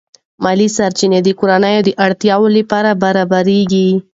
مالی سرچینې د کورنۍ د اړتیاوو لپاره برابرېږي.